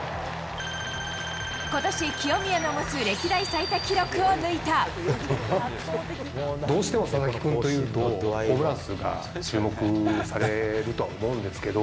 ことし、清宮の持つ歴代最多記録どうしても佐々木君というと、ホームラン数が注目されるとは思うんですけど。